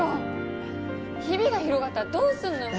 ヒビが広がったらどうするのよもう！